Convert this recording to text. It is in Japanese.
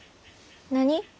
何？